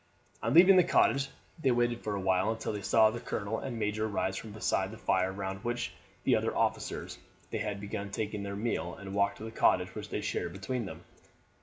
On leaving the cottage they waited for a while until they saw the colonel and major rise from beside the fire round which, with the other officers, they had been taking their meal, and walk to the cottage which they shared between them.